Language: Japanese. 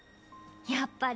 やっぱり。